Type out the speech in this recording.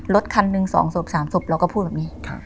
รถคันหนึ่ง๒ศพ๓ศพเราก็พูดแบบนี้